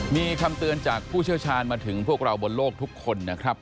มีคำเตือนจากผู้เชี่ยวชาญมาถึงพวกเราบนโลกทุกคนนะครับ